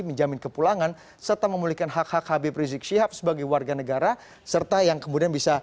menjamin kepulangan serta memulihkan hak hak habib rizik syihab sebagai warga negara serta yang kemudian bisa